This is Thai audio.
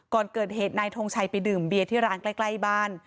ก่อนเกิดเหตุนายทงชัยไปดื่มเบียร์ที่ร้านใกล้บ้าน